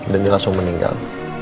dan dia langsung meninggal